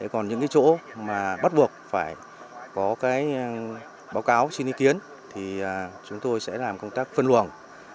còn những chỗ mà bắt buộc phải có báo cáo suy nghĩ kiến thì chúng tôi sẽ làm công tác phân luồng